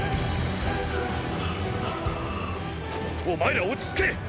お前ら落ち着け！！